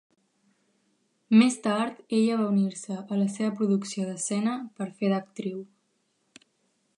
Més tard ella va unir-se a la seva producció d'escena per fer d'actriu.